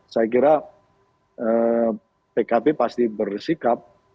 saya kira pkb pasti bersikap